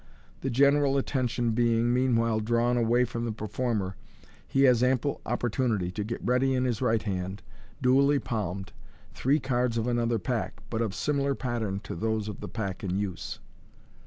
The general attention being, meanwhile, drawn away from the performer, he has ample opportunity to get ready in his right hand, duly palmed, three cards of another pack, but of similar pattern to those of the pack in use.